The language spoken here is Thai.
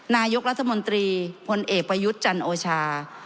นายกรัฐมนตรีพลเอกประยุทธ์จันโอชา